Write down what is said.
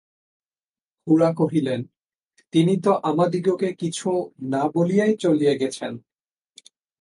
খুড়া কহিলেন, তিনি তো আমাদিগকে কিছু না বলিয়াই চলিয়া গেছেন।